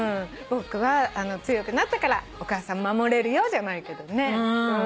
「僕は強くなったからお母さん守れるよ」じゃないけどね。